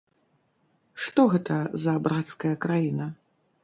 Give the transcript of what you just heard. Што гэта за брацкая краіна?